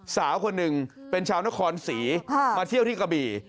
สาวคนหนึ่งเป็นชาวนครศรีมาเที่ยวที่กระบี่